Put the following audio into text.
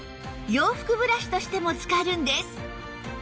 洋服ブラシとしても使えるんです